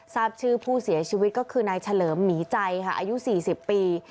ทราบชื่อผู้เสียชีวิตก็คือนายเฉลิมหมีใจค่ะอายุ๔๐ปี